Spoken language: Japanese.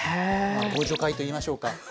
まあ互助会といいましょうか。